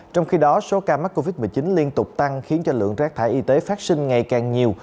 trong khi đó số ca mắc covid một mươi chín liên tục tăng khiến cho lượng rác thải y tế phát sinh ngày càng nhiều